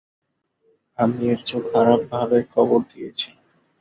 আমি এরচেয়েও খারাপভাবে কবর দিয়েছি।